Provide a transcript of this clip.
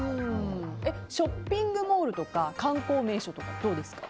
ショッピングモールとか観光名所とかはどうですか？